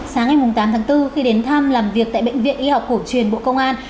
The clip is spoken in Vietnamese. sáng ngày tám tháng bốn khi đến thăm làm việc tại bệnh viện y học cổ truyền bộ công an